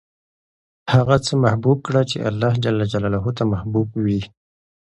هغه څه محبوب کړه چې اللهﷻ ته محبوب وي.